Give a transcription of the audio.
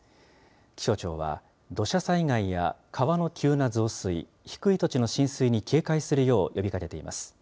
気象庁は、土砂災害や川の急な増水、低い土地の浸水に警戒するよ